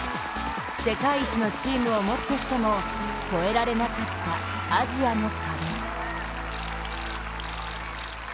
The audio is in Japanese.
世界一のチームをもってしても越えられなかったアジアの壁。